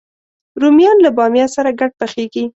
رومیان له بامیه سره ګډ پخېږي